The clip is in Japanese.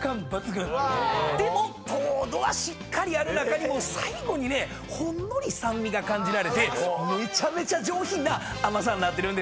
でも糖度はしっかりある中にも最後にねほんのり酸味が感じられてめちゃめちゃ上品な甘さになってるんですよね。